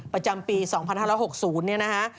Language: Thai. ประจำปี๒๕๖๐เนี่ยนะฮะ